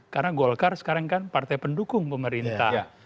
karena golkar sekarang kan partai pendukung pemerintah